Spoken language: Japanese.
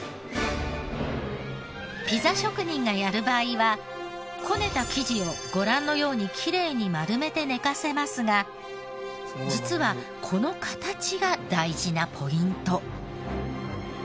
ここからがこねた生地をご覧のようにきれいに丸めて寝かせますが実はこの形が大事なポイント。